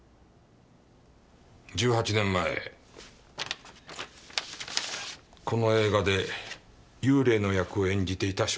１８年前この映画で幽霊の役を演じていた少女です。